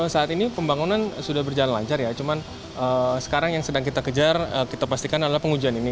saat ini pembangunan sudah berjalan lancar ya cuman sekarang yang sedang kita kejar kita pastikan adalah pengujian ini